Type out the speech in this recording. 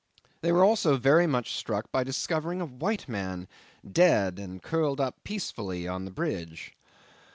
They were also very much struck by discovering a white man, dead and curled up peacefully on the bridge.